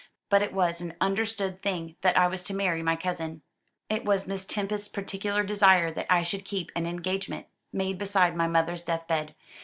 But it was an understood thing that I was to marry my cousin. It was Miss Tempest's particular desire that I should keep an engagement made beside my mother's death bed.